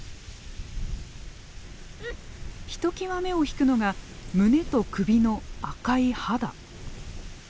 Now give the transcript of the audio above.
ひときわ目を引くのが胸と首の赤い肌。